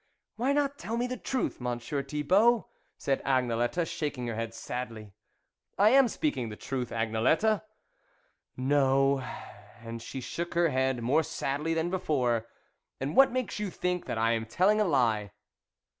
" Why not tell me the truth, Monsieur Thibault ?" said Agnelette, shaking her head sadly. " I am speaking the truth, Agnelette." THE WOLF LEADER " No," and she shook her head more sadly than before. " And what makes you think that I am telling a lie."